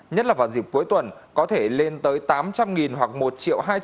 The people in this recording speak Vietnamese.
nhất là vào dịp cuối tuần có thể lên tới tám trăm linh hoặc một triệu